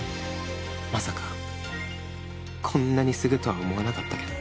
まさかこんなにすぐとは思わなかったけど